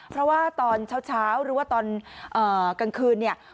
เพราะว่าตอนเช้าหรือว่าตอนกลางคืนเนี่ย